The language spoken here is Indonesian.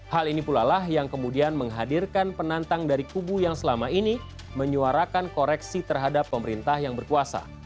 hal ini pula lah yang kemudian menghadirkan penantang dari kubu yang selama ini menyuarakan koreksi terhadap pemerintah yang berkuasa